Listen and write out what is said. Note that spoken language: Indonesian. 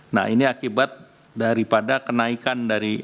nah ini akibat daripada kenaikan dari